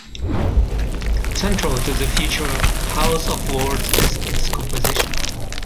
Central to the future House of Lords is its composition.